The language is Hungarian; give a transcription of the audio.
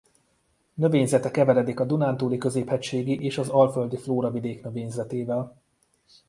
Növényzete keveredik a Dunántúli-középhegységi és az Alföldi flóravidék növényzetével.